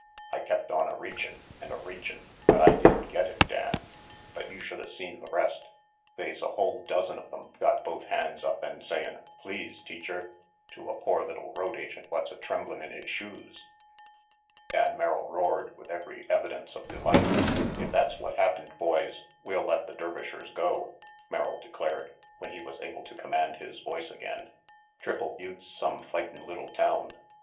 I kept on a reachin' and a reachin' but I didn't get it, Dan. But you shoulda seen the rest. They's a whole dozen of them got both hands up and sayin' * please, teacher' to a pore little road agent what's tremblin' in his shoes." Dan Merrill roared with every evidence of delight. "If that's what happened, boys, we'll let the 54 RANGY PETE Dervishers go," Merrill declared, when he was able to command his voice again. "Triple Butte's some fightin' little town.